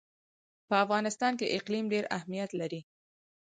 په افغانستان کې اقلیم ډېر اهمیت لري.